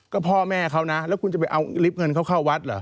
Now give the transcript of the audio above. ก็พ่อแม่เขานะแล้วคุณจะไปเอาลิฟต์เงินเขาเข้าวัดเหรอ